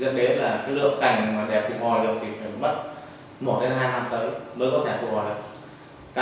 do thế là lượng cành để phục hồi được thì phải mất một hai năm tới mới có thể phục hồi được